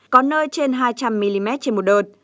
có nơi trên hai trăm linh mm trên một đợt